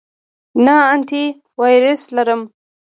نه، انټی وایرس لرم